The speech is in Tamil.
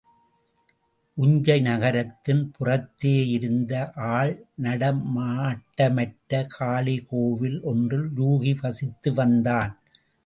உஞ்சை நகரத்தின் புறத்தேயிருந்த ஆள்நடமாட்டமற்ற காளிகோவில் ஒன்றில் யூகி வசித்து வந்தான்.